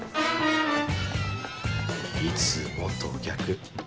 いつもと逆。